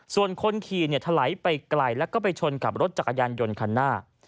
ส่วนคนขี่ถลายไปไกลแล้วก็ไปชนกับรถจักรยานยนต์คันหน้า